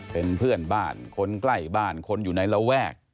เป็นเพื่อนบ้านคนใกล้บ้านคนอยู่ในระแวก